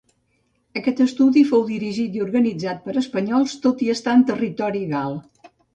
Aquest estudi fou dirigit i organitzat per espanyols tot i estar en territori gal.